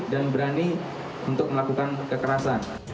dan berani untuk melakukan kekerasan